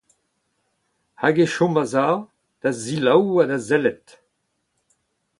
Hag e chom a-sav, da selaou ha da sellet.